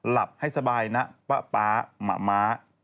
หลับให้สบายนะป๊าป๊าหมาม้า